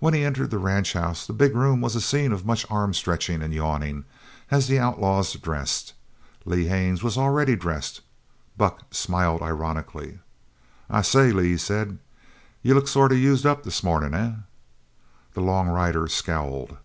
When he entered the ranch house the big room was a scene of much arm stretching and yawning as the outlaws dressed. Lee Haines was already dressed. Buck smiled ironically. "I say, Lee," he said, "you look sort of used up this mornin', eh?" The long rider scowled.